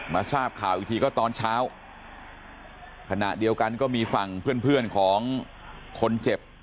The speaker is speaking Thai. ทราบข่าวอีกทีก็ตอนเช้าขณะเดียวกันก็มีฝั่งเพื่อนเพื่อนของคนเจ็บ